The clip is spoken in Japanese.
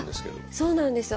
そうなんです。